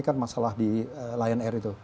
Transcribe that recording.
kan masalah di lion air itu